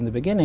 từ hà nội